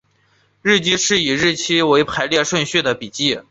日记是以日期为排列顺序的笔记。